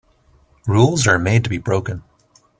Rules are made to be broken.